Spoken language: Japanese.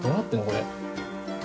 これ。